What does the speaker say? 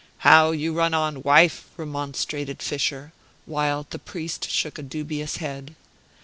"How you run on, wife!" remonstrated Fischer; while the priest shook a dubious head.